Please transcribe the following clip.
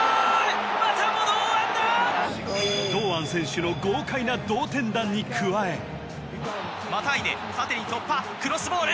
堂安選手のに加えまたいで縦に突破クロスボール